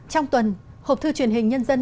trong tuần hộp thư truyền hình nhân dân